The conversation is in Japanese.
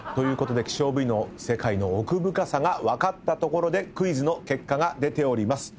希少部位の世界の奥深さが分かったところでクイズの結果が出ております。